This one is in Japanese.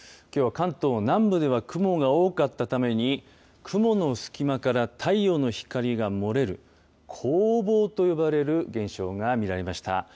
きょうは関東南部では、雲が多かったために、雲の隙間から太陽の光が漏れる、こうぼうと呼ばれる現象が見られました。